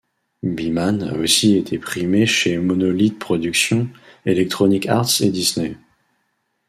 Beeman a aussi été primée chez Monolith Productions, Electronic Arts et Disney.